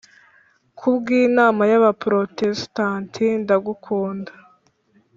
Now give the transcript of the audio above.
Ku bw Inama y Abaprotestanti ndagukunda